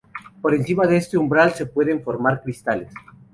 Por encima de este umbral se pueden formar cristales.